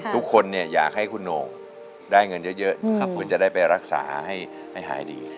ทุกคนอยากให้คุณโหน่งได้เงินเยอะเผื่อจะได้ไปรักษาให้หายดี